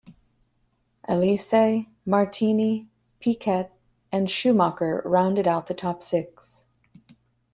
Alesi, Martini, Piquet, and Schumacher rounded out the top six.